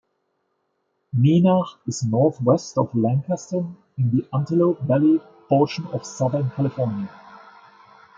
Neenach is northwest of Lancaster in the Antelope Valley portion of Southern California.